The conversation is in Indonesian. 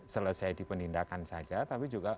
selesai di penindakan saja tapi juga